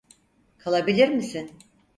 Kalabilir misin?